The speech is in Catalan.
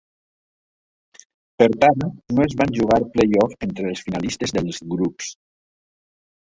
Per tant, no es van jugar play-offs entre els finalistes dels grups.